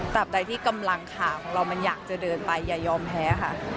ใดที่กำลังขาของเรามันอยากจะเดินไปอย่ายอมแพ้ค่ะ